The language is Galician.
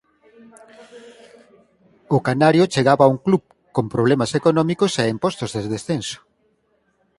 O canario chegaba a un club con problemas económicos e en postos de descenso.